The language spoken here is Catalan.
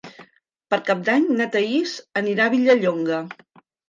Per Cap d'Any na Thaís anirà a Vilallonga.